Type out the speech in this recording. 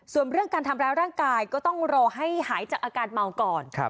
ส่วนเรื่องการทำร้ายร่างกายก็ต้องรอให้หายจากอาการเมาก่อน